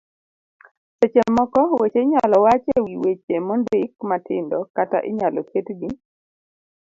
seche moko weche inyalo wach e wi weche mondik matindo kata inyalo ketgi